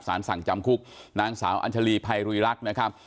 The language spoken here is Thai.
สั่งจำคุกนางสาวอัญชาลีภัยรีรักษ์นะครับ